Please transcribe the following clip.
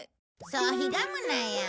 そうひがむなよ。